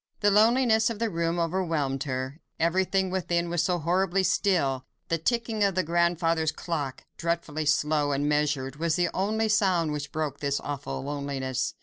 The loneliness of the room overwhelmed her; everything within was so horribly still; the ticking of the grandfather's clock—dreadfully slow and measured—was the only sound which broke this awful loneliness.